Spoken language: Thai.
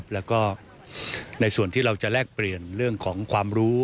แล้วก็ในส่วนที่เราจะแลกเปลี่ยนเรื่องของความรู้